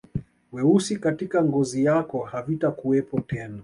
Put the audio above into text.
Weusi katika ngozi yako havitakuwepo tena